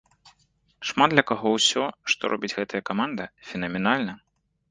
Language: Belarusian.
Шмат для каго ўсё, што робіць гэтая каманда, фенаменальна.